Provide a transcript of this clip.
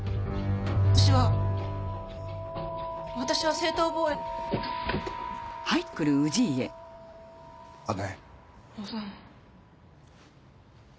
私は私は正当防衛なの。